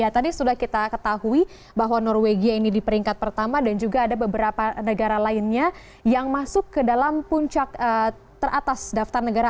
tadi sudah kita ketahui bahwa norwegia ini di peringkat pertama dan juga ada beberapa negara lainnya yang masuk ke dalam puncak teratas daftar negara